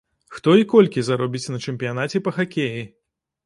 Хто і колькі заробіць на чэмпіянаце па хакеі?